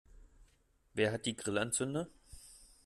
Wer hat die Grillanzünder?